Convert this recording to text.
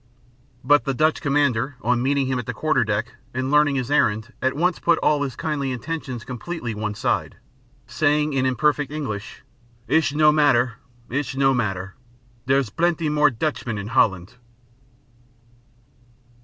But the Dutch commander, on meeting him at the quarter deck, and learning his errand, at once put all his kindly intentions completely one side, saying in imperfect English: "It'sh no matter, it'sh no matter dere's blaanty more Tutchmen in Holland!"